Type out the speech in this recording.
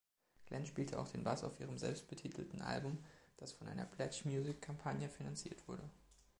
Glen spielte auch den Bass auf ihrem selbstbetitelten Album, das von einer Pledge Music-Kampagne finanziert wurde.